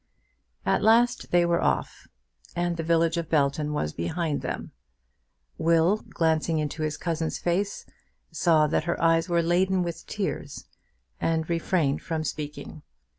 At last they were off, and the village of Belton was behind them. Will, glancing into his cousin's face, saw that her eyes were laden with tears, and refrained from speaking.